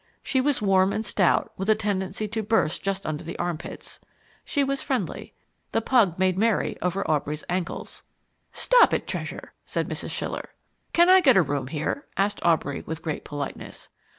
She was warm and stout, with a tendency to burst just under the armpits. She was friendly. The pug made merry over Aubrey's ankles. "Stop it, Treasure!" said Mrs. Schiller. "Can I get a room here?" asked Aubrey, with great politeness.